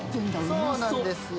そうなんですよ